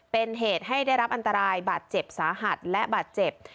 เป็นเหตุให้ได้รับอันตรายบาดเจ็บสาหัสและบาดเจ็บ